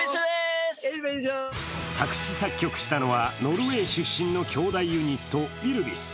作詞作曲したのはノルウェー出身の兄弟ユニット、Ｙｌｖｉｓ。